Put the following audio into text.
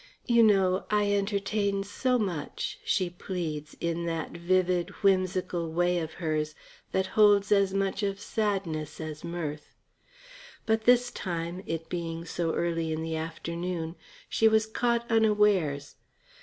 "You know, I entertain so much," she pleads in that vivid, whimsical way of hers that holds as much of sadness as mirth. But this time, it being so early in the afternoon, she was caught unawares.